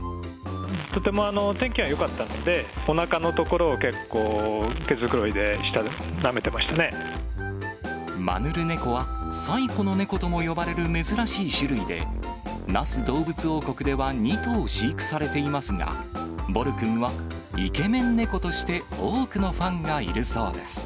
とても天気がよかったので、おなかのところを結構、マヌルネコは最古のネコとも呼ばれる珍しい種類で、那須どうぶつ王国では２頭飼育されていますが、ボルくんはイケメンネコとして、多くのファンがいるそうです。